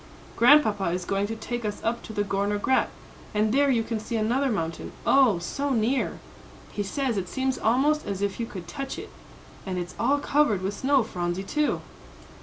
"Grandpapa is going to take us up to the Gorner Grat, and there you can see another mountain, oh, so near! he says it seems almost as if you could touch it. And it's all covered with snow, Phronsie, too!"